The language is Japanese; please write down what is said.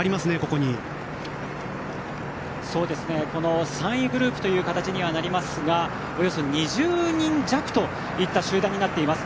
この３位グループという形にはなりますがおよそ２０人弱といった集団になっています。